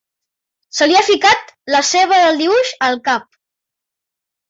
Se li ha ficat la ceba del dibuix al cap.